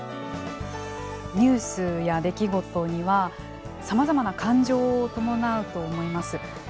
ニュースや出来事にはさまざまな感情を伴うと思います。